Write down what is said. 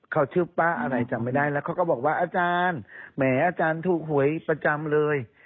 เขาชื่อป้าอะไรจำไม่ได้แล้วเขาก็บอกว่าอาจารย์แหมอาจารย์ถูกหวยประจำเลย